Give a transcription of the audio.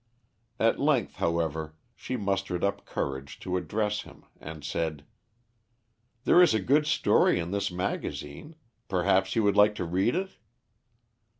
At length, however, she mustered up courage to address him, and said: "There is a good story in this magazine: perhaps you would like to read it?"